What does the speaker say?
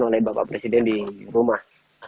oleh bapak presiden di rumah